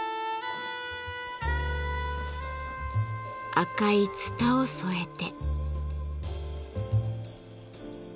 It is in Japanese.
赤いツタを添えて。